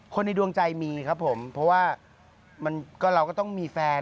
ในดวงใจมีครับผมเพราะว่าเราก็ต้องมีแฟน